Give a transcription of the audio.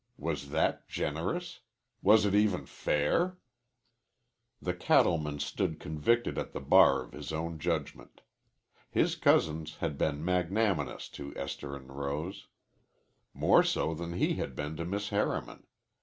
Was that generous? Was it even fair?" The cattleman stood convicted at the bar of his own judgment. His cousins had been magnanimous to Esther and Rose, more so than he had been to Miss Harriman.